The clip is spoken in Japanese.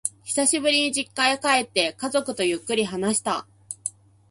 久しぶりに実家へ帰って、家族とゆっくり話した。